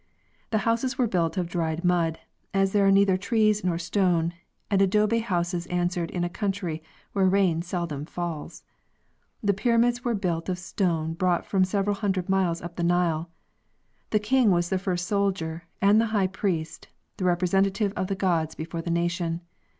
The houses were built of dried mud, as there are neither trees nor stone, and adobe houses an swered in a country where rain seldom falls. The pyramids were built of stone brought from several hundred miles up the Nile. The king was the first soldier and the high priest, the rep resentative of the gods before the nation.